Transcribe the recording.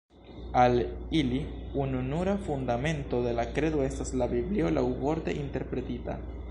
Al ili ununura fundamento de la kredo estas la Biblio laŭvorte interpretita.